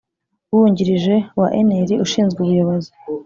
Wungirije wa unr ushinzwe ubuyobozi